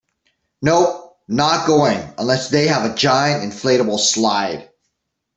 Nope, not going unless they have a giant inflatable slide.